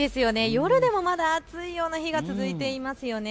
夜でもまだ暑いような日が続いていますよね。